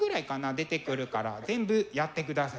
出てくるから全部やってください。